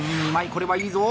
これはいいぞ！